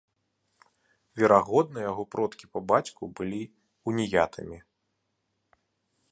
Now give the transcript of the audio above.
Верагодна, яго продкі па бацьку былі уніятамі.